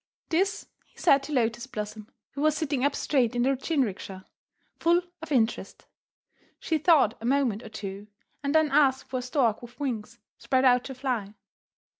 This he said to Lotus Blossom, who was sitting up straight in the jinrikisha, full of interest. She thought a moment or two, and then asked for a stork with wings spread out to fly.